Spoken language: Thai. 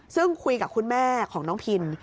ซึ่งคุยกับคุณแม่ของน้องพิน